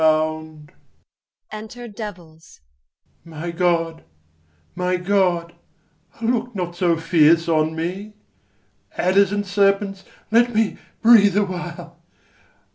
Enter DEVILS. My God, my god, look not so fierce on me! Adders and serpents, let me breathe a while!